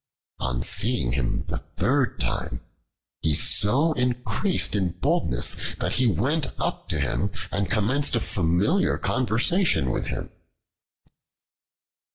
On seeing him the third time, he so increased in boldness that he went up to him and commenced a familiar conversation with him.